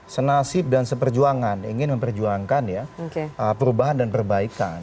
senasib dan seperjuangan ingin memperjuangkan ya perubahan dan perbaikan